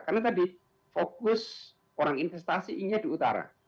karena tadi fokus orang investasi inginnya di utara